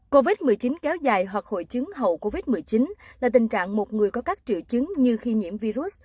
covid một mươi chín kéo dài hoặc hội chứng hậu covid một mươi chín là tình trạng một người có các triệu chứng như khi nhiễm virus